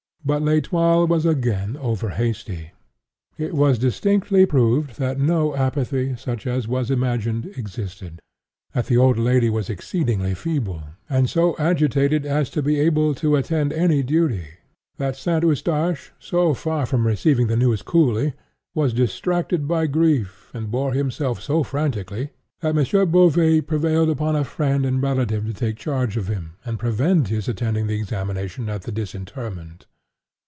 But L'Etoile was again over hasty. It was distinctly proved that no apathy, such as was imagined, existed; that the old lady was exceedingly feeble, and so agitated as to be unable to attend to any duty; that St. Eustache, so far from receiving the news coolly, was distracted with grief, and bore himself so frantically, that M. Beauvais prevailed upon a friend and relative to take charge of him, and prevent his attending the examination at the disinterment.